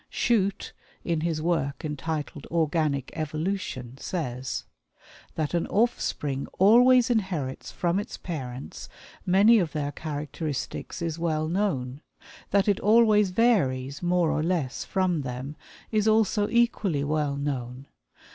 Shute, in his work entitled "Organic Evolution," says: "That an offspring always inherits from its parents many of their characteristics is well known; that it always varies, more or less, from them, is also equally well known.